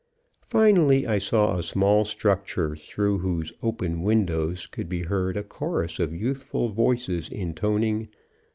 Finally I saw a small structure, through whose open windows could be heard a chorus of youthful voices intoning.